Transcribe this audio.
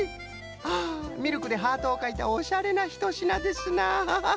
あミルクでハートをかいたおしゃれなひとしなですな。